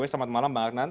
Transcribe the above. selamat malam bang adnan